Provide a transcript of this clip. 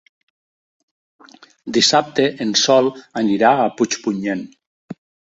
Dissabte en Sol anirà a Puigpunyent.